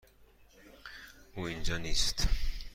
او اینجا نیست.